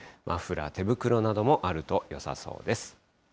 マフラー、手袋などもあるとよさそうです。